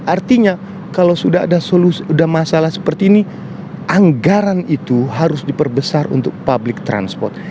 artinya kalau sudah ada masalah seperti ini anggaran itu harus diperbesar untuk public transport